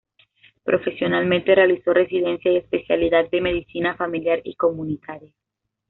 Profesionalmente realizó Residencia y Especialidad de Medicina Familiar y Comunitaria.